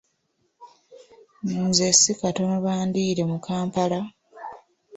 Nze si katono bandiire mu Kampala!